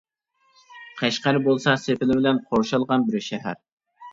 قەشقەر بولسا سېپىل بىلەن قورشالغان بىر شەھەر.